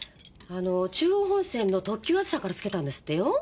あの中央本線の特急あずさからつけたんですってよ。